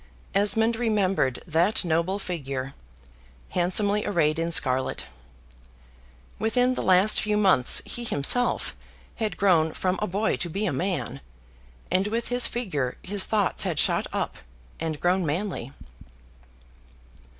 Esmond remembered that noble figure, handsomely arrayed in scarlet. Within the last few months he himself had grown from a boy to be a man, and with his figure his thoughts had shot up, and grown manly.